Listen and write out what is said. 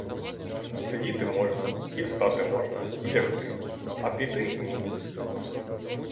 Сидіти можна, і встати можна, і лягти, а піти — ні.